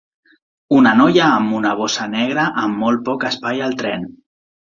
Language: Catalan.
Una noia amb una bossa negra amb molt poc espai al tren.